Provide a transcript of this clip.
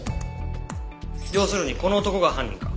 要するにこの男が犯人か。